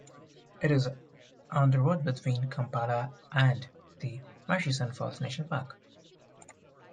It is on the road between Kampala and the Murchison Falls National Park.